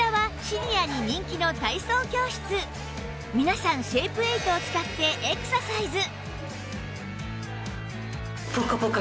皆さんシェイプエイトを使ってエクササイズ